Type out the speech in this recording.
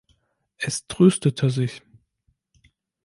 Es tröstete sich.